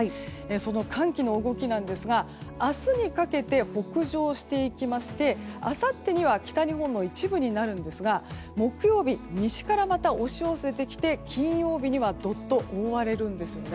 その寒気の動きなんですが明日にかけて北上していきましてあさってには北日本の一部になるんですが木曜日西からまた押し寄せてきて金曜日には、ドッと覆われるんですよね。